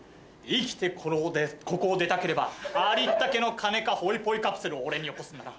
生きてここを出たければありったけの金かホイポイカプセルを俺によこすんだな。